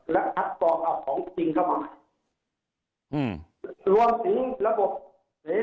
แล้วชาวบ้านเป็นไม่ตัวตนจริงคัดกรองแล้วไม่ใช่มีตัวตนจริง